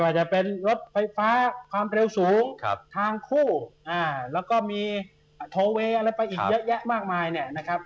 จะเป็นรถไฟฟ้าความเร็วสูงทางคู่แล้วก็มีโทเวย์อะไรไปอีกเยอะแยะมากมายเนี่ยนะครับ